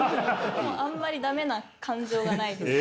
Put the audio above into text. あんまりダメな感情がないです。